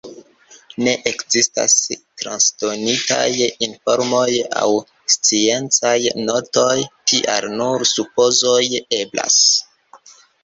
Ne ekzistas transdonitaj informoj aŭ sciencaj notoj, tial nur supozoj eblas.